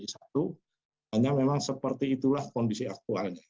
hanya memang seperti itulah kondisi aktualnya